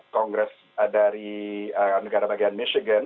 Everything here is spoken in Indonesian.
kongres dari negara bagian michigan